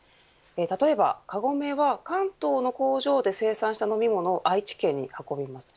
例えば、カゴメは関東の工場で生産した飲み物を愛知県に運びます。